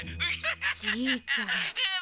じいちゃん。